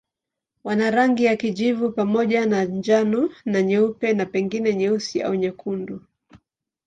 Wana rangi ya kijivu pamoja na njano na nyeupe na pengine nyeusi au nyekundu.